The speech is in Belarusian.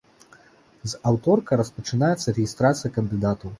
З аўторка распачынаецца рэгістрацыя кандыдатаў.